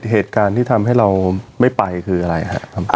เหตุการณ์ที่ทำให้เราไม่ไปคืออะไรครับ